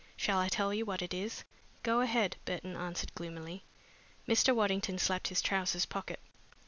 Shall I tell you what it is?" "Go ahead," Burton answered gloomily. Mr. Waddington slapped his trousers pocket.